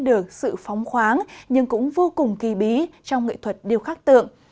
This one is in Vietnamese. được sự phóng khoáng nhưng cũng vô cùng kỳ bí trong nghệ thuật điều khắc tượng